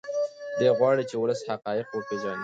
دی غواړي چې ولس حقایق وپیژني.